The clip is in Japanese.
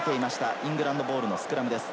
イングランドボールのスクラムです。